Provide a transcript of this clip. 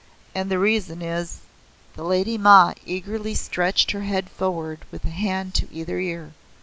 And the reason is " The Lady Ma eagerly stretched her head forward with a hand to either ear.